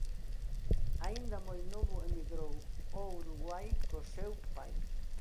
Aínda moi novo emigrou ao Uruguai co seu pai.